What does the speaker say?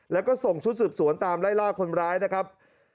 แล้วก็ส่งชุดสืบสวนตามไล่ล่าคนร้ายนะครับ